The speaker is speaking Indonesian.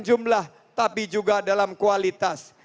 jumlah tapi juga dalam kualitas